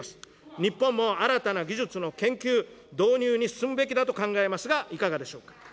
日本も新たな技術の研究、導入に進むべきだと考えますが、いかがでしょうか。